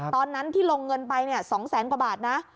ตอนนั้นที่ลงเงินไป๒แสนกว่าบาทนะ